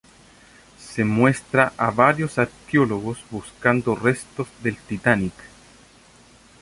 Se muestra a varios arqueólogos buscando restos del Titanic.